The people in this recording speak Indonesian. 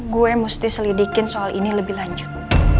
gue mesti selidikin soal ini lebih lanjut